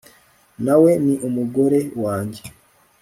nta we ni umugore wanjye